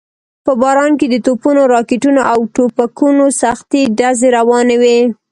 په باران کې د توپونو، راکټونو او ټوپکونو سختې ډزې روانې وې.